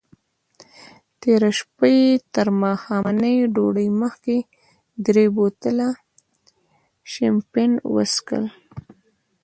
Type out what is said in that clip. تېره شپه یې تر ماښامنۍ ډوډۍ مخکې درې بوتله شیمپین وڅیښل.